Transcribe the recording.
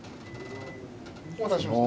お待たせしました。